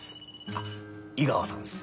あっ井川さんす。